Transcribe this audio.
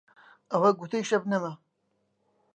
ئەوە گوتەی شەبنەمە